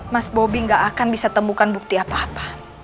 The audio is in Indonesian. mas bobi gak akan bisa temukan bukti apa apa